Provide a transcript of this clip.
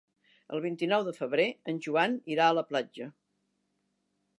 El vint-i-nou de febrer en Joan irà a la platja.